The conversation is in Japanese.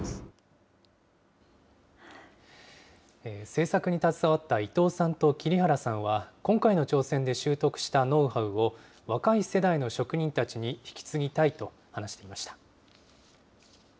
制作に携わった伊藤さんと桐原さんは、今回の挑戦で習得したノウハウを、若い世代の職人たちに引き継ぎたいと話していました。